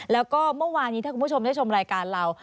แล้วก็เมื่อวานนี้ถ้าคุณผู้ชมได้ชมรายการเรา